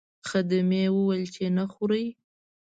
خدمې وویل چې نه خورئ.